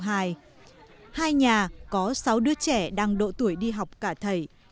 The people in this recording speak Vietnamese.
hai nhà có sáu đứa trẻ đang độ tuổi đi học cả thầy